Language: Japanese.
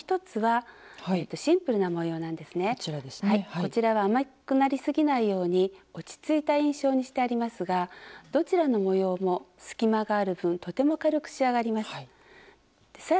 こちらは甘くなりすぎないように落ち着いた印象にしてありますがどちらの模様も隙間がある分とても軽く仕上がります。